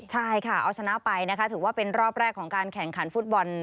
ใช่ค่ะเอาชนะไปนะคะถือว่าเป็นรอบแรกของการแข่งขันฟุตบอล